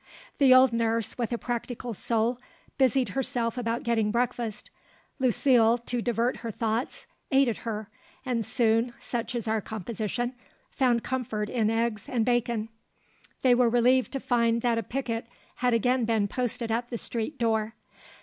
The old nurse, with a practical soul, busied herself about getting breakfast. Lucile, to divert her thoughts, aided her, and soon such is our composition found comfort in eggs and bacon. They were relieved to find that a picket had again been posted at the street door.